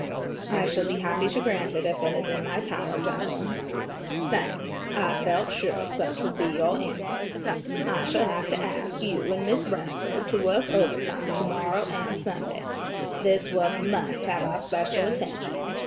"I shall be happy to grant it if it is in my power, General." "Thanks, I felt sure such would be your answer. I shall have to ask you and Miss Bradford to work overtime tomorrow and Sunday. This work must have our special attention.